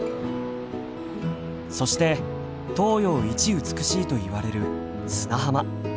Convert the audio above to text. そして東洋一美しいといわれる砂浜。